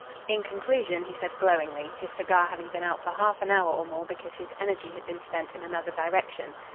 In conclusion he said glowingly, his cigar having been out for half an hour or more because his energy had been spent in another direction.